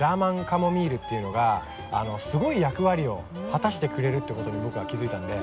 カモミールっていうのがすごい役割を果たしてくれるって事に僕は気付いたんで。